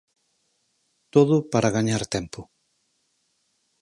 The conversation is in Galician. Todo para gañar tempo.